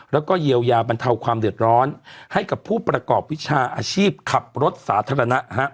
แล้วก็เยียวยาบรรเทาความเดือดร้อนให้กับผู้ประกอบวิชาอาชีพขับรถสาธารณะ